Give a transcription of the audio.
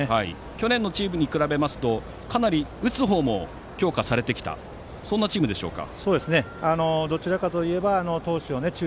去年のチームに比べますとかなり打つ方も強化されてきたそんなチームでしょうか。